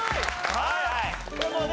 はい。